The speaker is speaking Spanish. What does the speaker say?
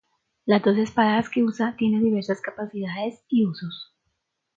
Las dos espadas que usa tienen diversas capacidades y usos.